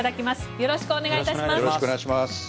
よろしくお願いします。